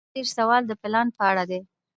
اووه دېرشم سوال د پلان په اړه دی.